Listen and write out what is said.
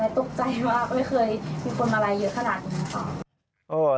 ไม่เคยมีคนมาลัยเยอะขนาดนี้